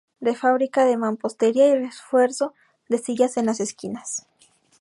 De fábrica de mampostería y refuerzo de sillares en las esquinas.